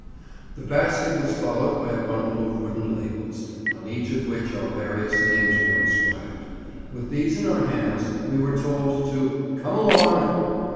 The basket was followed by a bundle of wooden labels, on each of which our various names were inscribed; with these in our hands, we were told to "Come along."